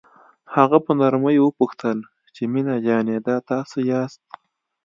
هغه په نرمۍ وپوښتل چې مينه جانې دا تاسو یاست.